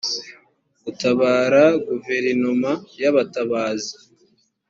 gutabara guverinoma y abatabazi